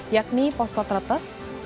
yakni posko tretes dan posko pendadaran